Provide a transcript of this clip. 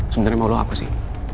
sebenarnya mau lo apa sih